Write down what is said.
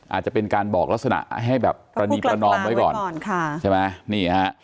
อาจจะเป็นการบอกลักษณะให้แบบปรณีประนอมไว้ก่อนค่ะใช่ไหมนี่ฮะ